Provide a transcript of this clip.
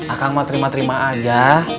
akang matrim matrim aja